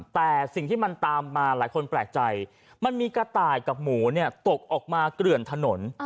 แต่สิ่งที่มันตามมาหลายคนแปลกใจมันมีกระต่ายกับหมูเนี่ยตกออกมาเกลื่อนถนน